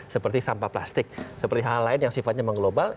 seperti sampah plastik seperti hal lain yang sifatnya mengglobal